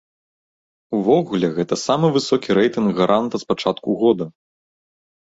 Увогуле, гэта самы высокі рэйтынг гаранта з пачатку года.